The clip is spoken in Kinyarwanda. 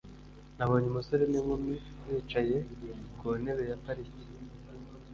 Nabonye umusore n'inkumi bicaye ku ntebe ya parike.